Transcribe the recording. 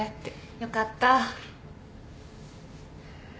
よかった。